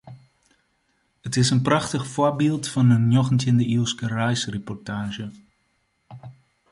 It is in prachtich foarbyld fan in njoggentjinde-iuwske reisreportaazje.